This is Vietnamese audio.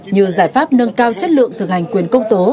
như giải pháp nâng cao chất lượng